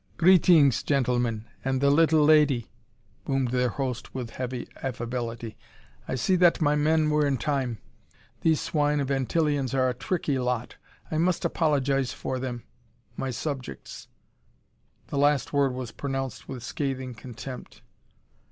"Greetings, gentlemen and the little lady," boomed their host, with heavy affability. "I see that my men were in time. These swine of Antillians are a tricky lot. I must apologize for them my subjects." The last word was pronounced with scathing contempt.